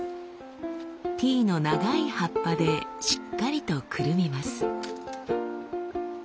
ティーの長い葉っぱでしっかりとくるみます。